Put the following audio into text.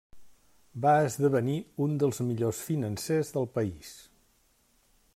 Va esdevenir uns dels millors financers del país.